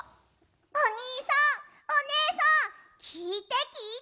おにいさんおねえさんきいてきいて！